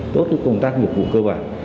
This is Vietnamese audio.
tốt công tác mục vụ cơ bản